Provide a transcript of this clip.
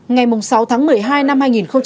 ngày sáu tháng một mươi hai năm hai nghìn hai mươi hai